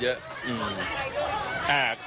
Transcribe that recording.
คนไทยด้วย